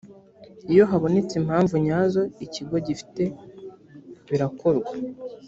iyo habonetse impamvu nyazo ikigo gifite birakorwa